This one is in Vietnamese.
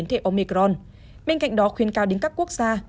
thể omicron bên cạnh đó khuyên cao đến các quốc gia